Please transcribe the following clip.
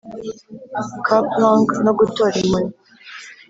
ker plunk no gutora inkoni,